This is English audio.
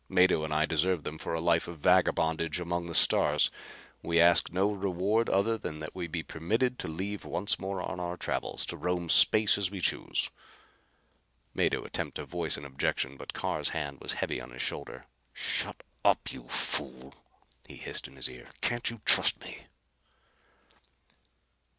Mado and I deserted them for a life of vagabondage amongst the stars. We ask no reward other than that we be permitted to leave once more on our travels, to roam space as we choose." Mado attempted to voice an objection but Carr's hand was heavy on his shoulder. "Shut up, you fool!" he hissed in his ear. "Can't you trust me?"